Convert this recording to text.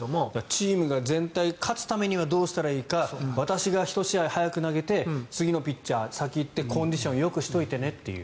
チームが全体勝つためにはどうしたらいいか私が１試合早く投げて次のピッチャー先行ってコンディションをよくしておいてねという。